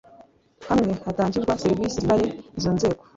hamwe hatangirwa serivisi zinyuranye izo nzego